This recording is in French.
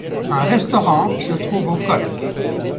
Un restaurant se trouve au col.